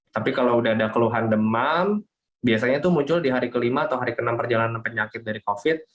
tapi kalau udah ada keluhan demam biasanya itu muncul di hari kelima atau hari ke enam perjalanan penyakit dari covid